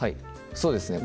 そうですね